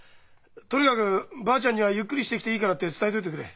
とにかくばあちゃんには「ゆっくりしてきていいから」って伝えといてくれ。